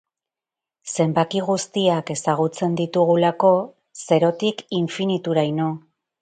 Zenbaki guztiak ezagutzen ditugulako, zerotik infinituraino.